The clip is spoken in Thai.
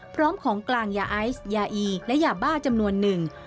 พร้อมของกลางยาไอซ์ยาอีและยาบ้าจำนวนหนึ่ง